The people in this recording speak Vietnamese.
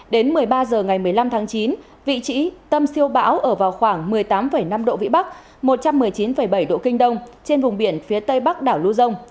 đến một mươi ba h ngày một mươi năm tháng chín vị trí tâm siêu bão ở vào khoảng một mươi tám năm độ vĩ bắc một trăm một mươi chín bảy độ kinh đông trên vùng biển phía tây bắc đảo luzon